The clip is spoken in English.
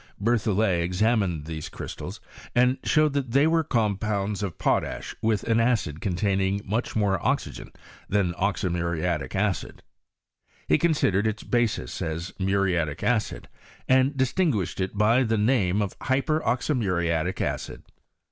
Bertholiet examined these crystals and showed that they were compounds of potash with an acid containing' moch more oxygen than oxymuriattc acid. He considered its basis as muriatic acid, and distinguished it by the name of hyper oxymuriatic acid.